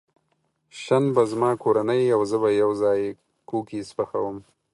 شنبه، زما کورنۍ او زه به یوځای کوکیز پخوم.